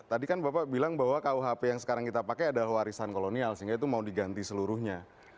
tadi kan bapak bilang bahwa kuhp yang sekarang kita pakai adalah warisan kolonial sehingga itu mau diganti seluruhnya